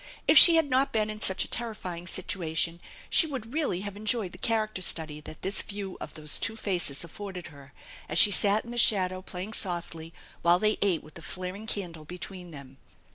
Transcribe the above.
jff she had not been in such a terrifying situation she would really have enjoyed the character study that this view of those two faces afforded her, as she sat in the shadow playing softly while they ate with the flaring candle between them.